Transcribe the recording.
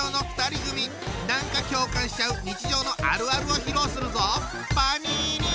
何か共感しちゃう日常のあるあるを披露するぞ！